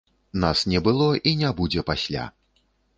Нас не было і не будзе пасля.